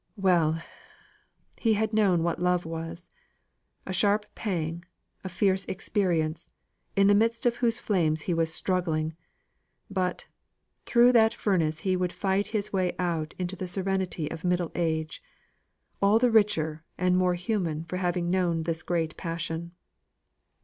Well! He had known what love was a sharp pang, a fierce experience, in the midst of whose flames he was struggling! but, through the furnace he would fight his way out into the serenity of middle age, all the richer and more human for having known this great passion.